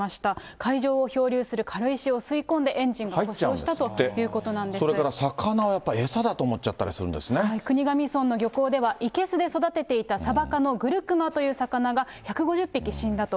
海上を漂流する軽石を吸い込んでエンジンが故障したということなそれから魚はやっぱり餌だと国頭村の漁港では、生けすで育てていたサバ科のグルクマという魚が１５０匹死んだと。